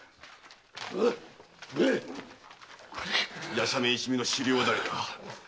夜叉面一味の首領は誰だ？